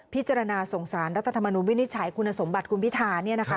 พิจารณาส่งสารรัฐธรรมนุนวินิจฉัยคุณสมบัติคุณพิธา